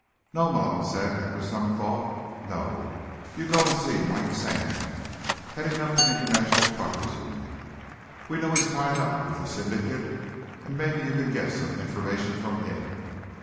"No," Malone said after some thought. "No. You go and see Mike Sand, heading up the International Truckers' Union. We know he's tied up with the Syndicate, and maybe you can get some information from him.